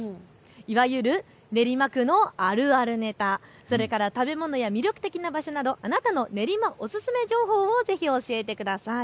いわゆる練馬区のあるあるネタ、それから食べ物や魅力的な場所など、あなたの練馬おすすめ情報をぜひお教えてください。